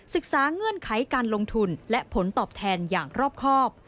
เงื่อนไขการลงทุนและผลตอบแทนอย่างรอบครอบ